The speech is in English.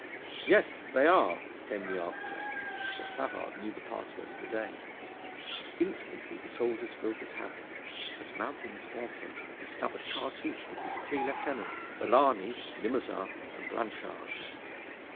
'Yes, they are,' came the answer: for Savard knew the password of the day. Instantly the soldiers filled the tavern, and, mounting the staircase, discovered Cartouche with his three lieutenants, Balagny, Limousin, and Blanchard.